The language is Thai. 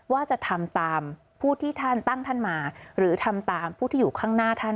ว่าจะทำตามผู้ที่ท่านตั้งท่านมาหรือทำตามผู้ที่อยู่ข้างหน้าท่าน